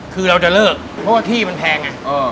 คือเราจะเลิกเพราะว่าที่มันแพงไง